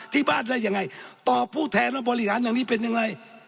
ที่บ้านได้ยังไงตอบผู้แทนว่าบริหารอย่างนี้เป็นอย่างไร